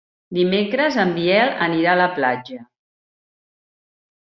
Dimecres en Biel anirà a la platja.